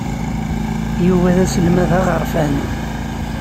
Yuba d aselmad aɣerfan.